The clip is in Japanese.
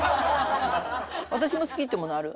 「私も好き」ってものある？